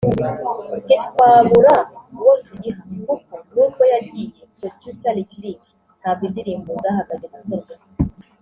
ntitwabura uwo tugiha kuko n’ubwo yagiye[Producer Lick Lick] ntabwo indirimbo zahagaze gukorwa